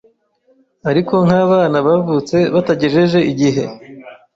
Ariko nk’abana bavutse batagejeje igihe,